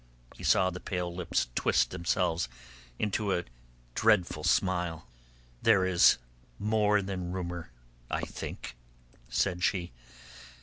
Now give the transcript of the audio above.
He saw the pale lips twist themselves into a dreadful smile. "There is more than rumour, I think," said she.